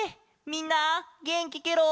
みんなげんきケロ？